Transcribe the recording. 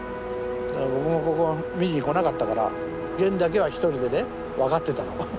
僕もここは見に来なかったからげんだけは一人でね分かってたの。